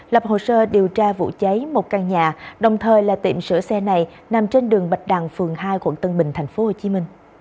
lập hồ sơ điều tra vụ cháy một căn nhà đồng thời là tiệm sửa xe này nằm trên đường bạch đằng phường hai quận tân bình tp hcm